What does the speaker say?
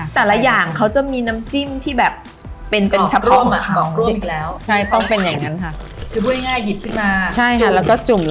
แต่ละอย่างเขาจะมีน้ำจิ้มที่แบบเป็นเป็นชะพร้อม